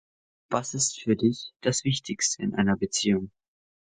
Was ist für dich, das wichtigste in einer Beziehung?